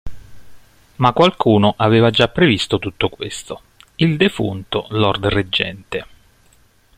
Ma qualcuno aveva già previsto tutto questo: il defunto Lord Reggente.